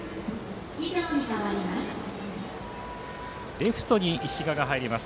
レフトに石賀が入ります。